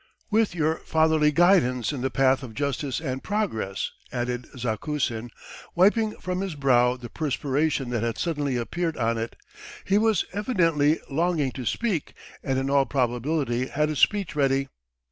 ..." "With your fatherly guidance in the path of justice and progress. .." added Zakusin, wiping from his brow the perspiration that had suddenly appeared on it; he was evidently longing to speak, and in all probability had a speech ready.